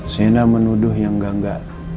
sienna menuduh yang gangga